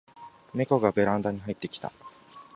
ネコがベランダに入ってきた